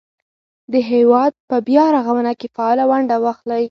د هېواد په بیا رغونه کې فعاله ونډه واخلئ.